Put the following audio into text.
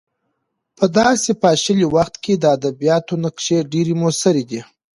په داسې پاشلي وخت کې د ادبیاتو نقش ډېر موثر دی.